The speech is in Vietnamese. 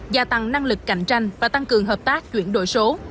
gia tăng năng lực cạnh tranh và tăng cường hợp tác chuyển đổi số